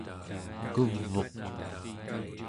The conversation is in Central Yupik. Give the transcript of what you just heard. kuv'uq